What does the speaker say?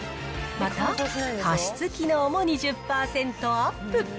また、加湿機能も２０％アップ。